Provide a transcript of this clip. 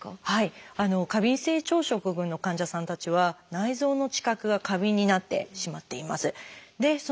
過敏性腸症候群の患者さんたちは内臓の知覚が過敏になってしまっています。